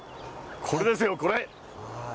これですよ、これ。